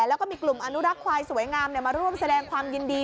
แล้วก็มีกลุ่มอนุรักษ์ควายสวยงามมาร่วมแสดงความยินดี